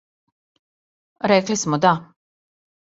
Рекли смо, да.